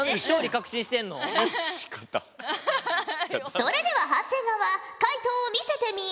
それでは長谷川解答を見せてみよ。